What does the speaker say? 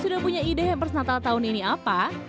sudah punya ide hampers natal tahun ini apa